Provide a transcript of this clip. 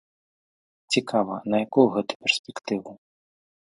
Цікава, на якую гэта перспектыву?